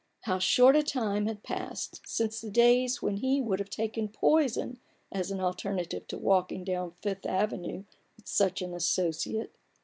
how short a time had passed since the days when he would have taken poison as an alternative to walking down the Fifth Avenue with such an asso ciate.